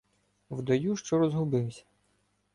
Вдаю, що розгубився.